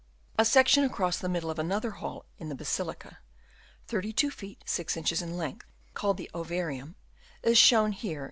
A section across the middle of another hall in the Basilica, 32 feet 6 inches in length, called the (Evarium, is shown in Fig.